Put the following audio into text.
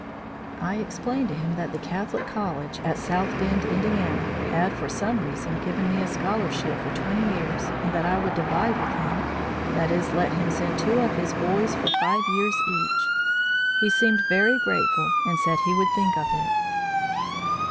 "I explained to him that the Catholic College, at South Bend, Indiana, had, for some reason, given me a scholarship for twenty years, and that I would divide with him that is let him send two of his boys for five years each. He seemed very grateful and said he would think of it.